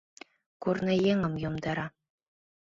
Корныеҥым йомдара.